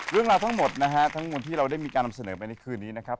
เรื่องราวทั้งหมดนะฮะทั้งหมดที่เราได้มีการนำเสนอไปในคืนนี้นะครับ